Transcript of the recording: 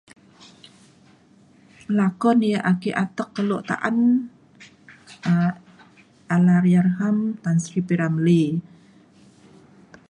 Pelakon yang ake atek kelo taan um allahyarham Tan Sri P Ramlee.